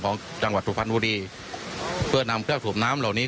ของจังหวัดสุภาพรุ้นรู่รีและนามเครื่องหนักแบบนี้